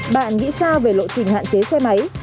bạn nghĩ sao về lộ trình hạn chế xe máy